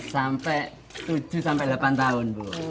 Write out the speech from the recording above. sampai tujuh sampai delapan tahun bu